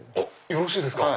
よろしいですか？